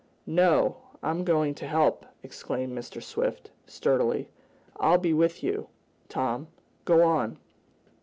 "No I'm going to help!" exclaimed Mr. Swift, sturdily. "I'll be with you, Tom. Go on!"